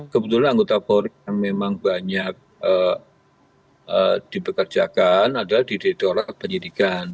kebetulan anggota polri yang memang banyak dipekerjakan adalah di direkturat penyidikan